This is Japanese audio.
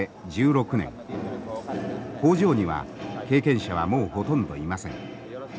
工場には経験者はもうほとんどいません。